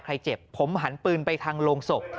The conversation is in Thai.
ใครเจ็บผมหันปืนไปทางลงศพ